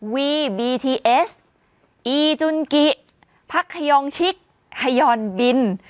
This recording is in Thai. วีบีทีเอสอีจุนกิพักขยองชิคฮยอนบิน